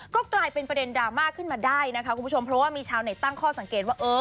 ก็กลายเป็นประเด็นดราม่าขึ้นมาได้นะคะคุณผู้ชมเพราะว่ามีชาวเน็ตตั้งข้อสังเกตว่าเออ